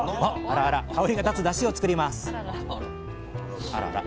香りが立つダシを作ります